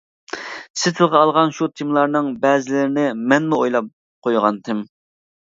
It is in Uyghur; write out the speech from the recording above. سىز تىلغا ئالغان شۇ تېمىلارنىڭ بەزىلىرىنى مەنمۇ ئويلاپ قويغانتىم.